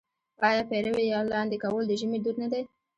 آیا پېروی یا لاندی کول د ژمي دود نه دی؟